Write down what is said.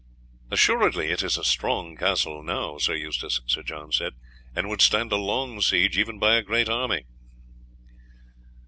"Assuredly it is a strong castle now, Sir Eustace," Sir John said, "and would stand a long siege even by a great army."